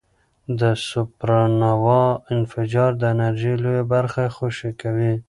د سوپرنووا انفجار د انرژۍ لویه برخه خوشې کوي.